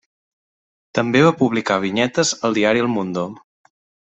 També va publicar vinyetes al diari El Mundo.